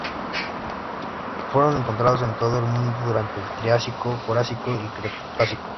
Fueron encontrados en todo el mundo durante el Triásico, Jurásico y Cretácico.